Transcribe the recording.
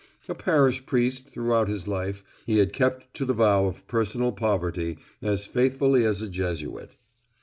A parish priest, throughout his life he had kept to the vow of personal poverty as faithfully as a Jesuit.